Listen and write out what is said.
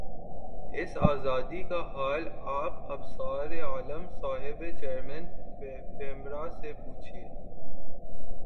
اس آزادی کا حال آپ ابصار عالم صاحب چیئرمین پیمرا سے پوچھیے